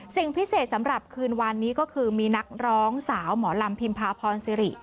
สิ่งพิเศษสำหรับคืนวันนี้ก็คือมีนักร้องสาวหมอลำพิมพาพรสิริ